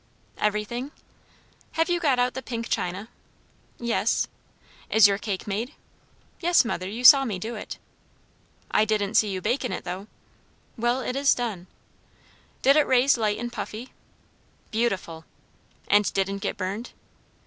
"Everything." "Have you got out the pink china?" "Yes." "Is your cake made?" "Yes, mother; you saw me do it." "I didn't see you bakin' it, though." "Well, it is done." "Did it raise light and puffy?" "Beautiful." "And didn't get burned?"